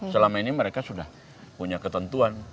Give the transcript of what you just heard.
selama ini mereka sudah punya ketentuan